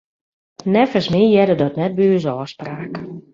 Neffens my hearde dat net by ús ôfspraak.